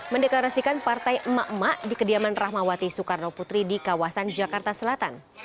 mendeklarasikan partai emak emak di kediaman rahmawati soekarno putri di kawasan jakarta selatan